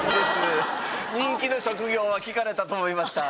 人気の職業を聞かれたと思いました。